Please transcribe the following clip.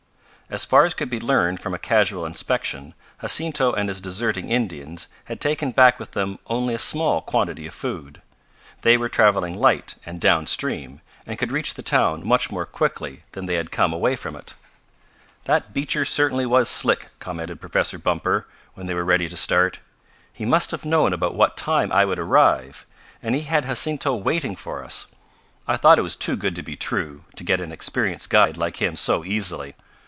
As far as could be learned from a casual inspection, Jacinto and his deserting Indians had taken back with them only a small quantity of food. They were traveling light and down stream, and could reach the town much more quickly than they had come away from it. "That Beecher certainly was slick," commented Professor Bumper when they were ready to start. "He must have known about what time I would arrive, and he had Jacinto waiting for us. I thought it was too good to be true, to get an experienced guide like him so easily.